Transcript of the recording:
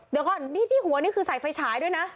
เดี๋ยวก่อนที่หัวนี่คือใส่ไฟฉายด้วยนะ